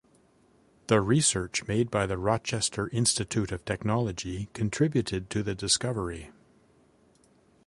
The research made by the Rochester Institute of Technology contributed to the discovery.